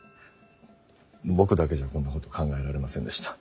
僕だけじゃこんなこと考えられませんでした。